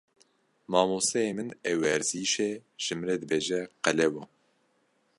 Mamosteyê min ê werzîşê ji min re dibêje qelewo.